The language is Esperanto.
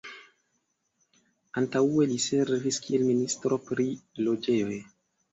Antaŭe li servis kiel Ministro pri Loĝejoj.